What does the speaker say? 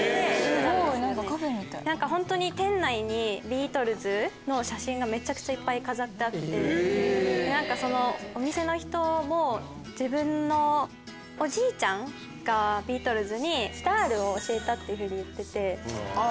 本当に店内にビートルズの写真がめちゃくちゃいっぱい飾ってあってお店の人も自分のおじいちゃんがビートルズにシタールを教えたって言ってて。